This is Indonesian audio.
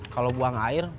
kalau buang air